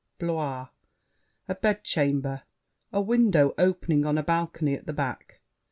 —Blois. A bed chamber. A window opening on a balcony at the back.